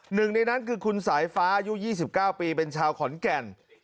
หนึ่งในนั้นคือคุณสายฟ้าอายุ๒๙ปีเป็นชาวขอนแก่น